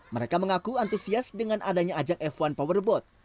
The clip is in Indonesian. mereka mengaku antusias dengan adanya ajak f satu powerboat